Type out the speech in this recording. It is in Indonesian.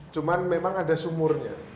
cuman memang ada sumurnya